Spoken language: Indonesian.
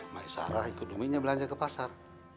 maesara ikut uminya belanja ke pasar